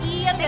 terus ya rima